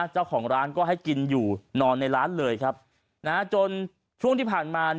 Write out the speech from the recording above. เจ้าของร้านก็ให้กินอยู่นอนในร้านเลยครับจนช่วงที่ผ่านมา